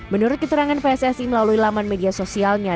menurut keterangan pssi melalui laman media sosialnya